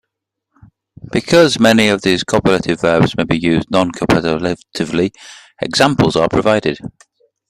Because many of these copulative verbs may be used non-copulatively, examples are provided.